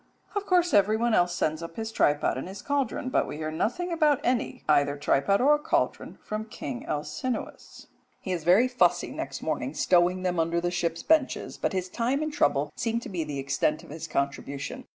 Of course everyone else sends up his tripod and his cauldron, but we hear nothing about any, either tripod or cauldron, from King Alcinous. He is very fussy next morning stowing them under the ship's benches, but his time and trouble seem to be the extent of his contribution.